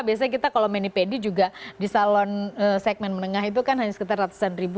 biasanya kita kalau menipedi juga di salon segmen menengah itu kan hanya sekitar ratusan ribu